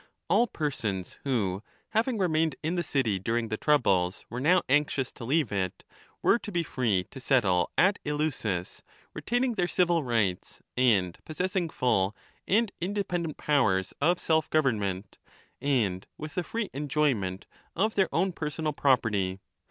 All persons who, having remained in the city during the troubles, were now anxious to leave it, were to be free to settle at Eleusis, retaining their civil rights and possessing full and independent powers of self government, and with the free enjoyment of their own personal property.